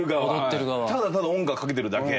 ただただ音楽かけてるだけ。